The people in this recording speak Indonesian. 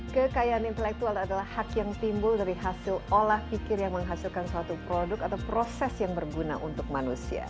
kekayaan intelektual adalah hak yang timbul dari hasil olah pikir yang menghasilkan suatu produk atau proses yang berguna untuk manusia